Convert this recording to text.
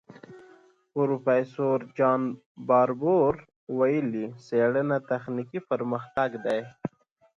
پروفیسور جان باربور ویلي، څېړنه تخنیکي پرمختګ دی.